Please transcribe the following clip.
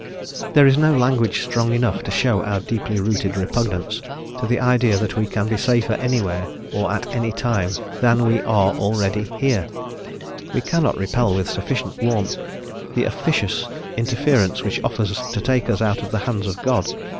There is no language strong enough to show our deeply rooted repugnance to the idea that we can be safer anywhere or at any time than we are already here; we cannot repel with sufficient warmth the officious interference which offers to take us out of the hands of God.